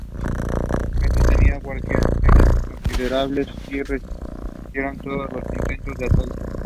Estos tenían guarniciones considerables y resistieron todos los intentos de asalto.